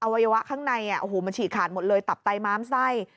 วัยวะข้างในมันฉีกขาดหมดเลยตับไตม้ามไส้